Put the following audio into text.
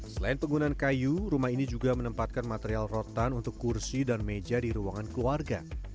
selain penggunaan kayu rumah ini juga menempatkan material rotan untuk kursi dan meja di ruangan keluarga